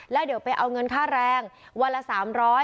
แล้วเดี๋ยวไปเอาเงินค่าแรงวันละ๓๐๐บาท